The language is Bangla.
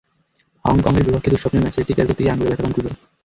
হংকংয়ের বিপক্ষে দুঃস্বপ্নের ম্যাচে একটি ক্যাচ ধরতে গিয়ে আঙুলে আঘাত পান রুবেল।